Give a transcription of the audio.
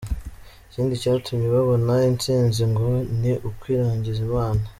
Ikindi cyatumye babona intsinzi ngo ni ukwiragiza Imana.